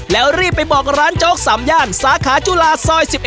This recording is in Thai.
แล้วรีบไปบอกร้านโจ๊ก๓ย่านสาขาจุฬาซอย๑๑